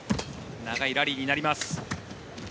長いラリーになります。